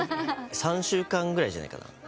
３週間ぐらいじゃないかな。